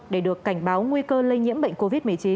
để được cảnh báo nguy cơ lây nhiễm bệnh covid một mươi chín